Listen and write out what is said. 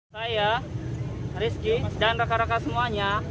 saya rizky dan rakan rakan semuanya